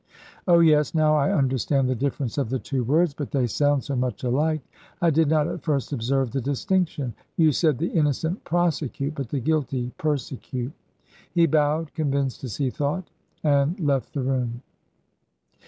"Oh, yes, now I understand the difference of the two words; but they sound so much alike, I did not at first observe the distinction. You said, 'the innocent prosecute, but the guilty persecute.'" He bowed (convinced as he thought) and left the room.